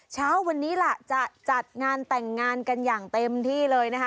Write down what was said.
เช้าวันนี้ล่ะจะจัดงานแต่งงานกันอย่างเต็มที่เลยนะคะ